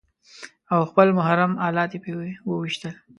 او خپل محرم الات يې په وويشتل.